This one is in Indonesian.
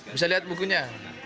bisa lihat bukunya